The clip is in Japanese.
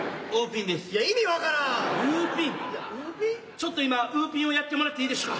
ちょっと今五筒をやってもらっていいでしゅか？